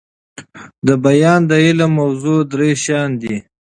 دبیان د علم موضوع درې شيان دي.